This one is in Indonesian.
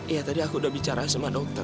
iya tadi aku udah bicara sama dokter